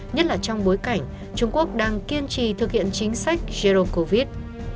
nhất là trong bối cảnh trung quốc đang kiên trì thực hiện chính sách jero covid